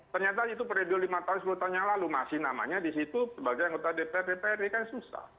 ternyata itu periode lima tahun sepuluh tahun yang lalu masih namanya di situ sebagai anggota dpr dprd kan susah